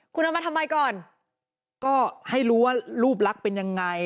คุณเอามาทำไมก่อนก็ให้รู้ว่ารูปลักษณ์เป็นยังไง